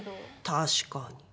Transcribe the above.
確かに。